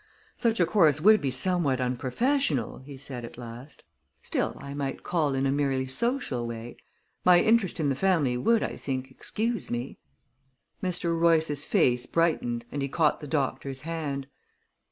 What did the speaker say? "Such a course would be somewhat unprofessional," he said at last. "Still, I might call in a merely social way. My interest in the family would, I think, excuse me." Mr. Royce's face brightened, and he caught the doctor's hand.